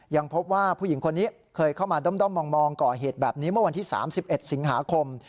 ยังพบว่าผู้หญิงคนนี้เคยเข้ามาด้อมมองก่อเหตุแบบนี้เมื่อวันที่๓๑สิงหาคม